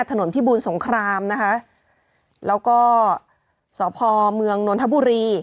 พิบูลสงครามนะคะแล้วก็สพเมืองนนทบุรี